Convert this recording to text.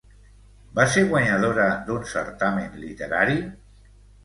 Va ser guanyadora d'un certamen literari?